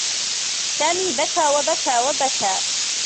سامي بكى و بكى و بكى.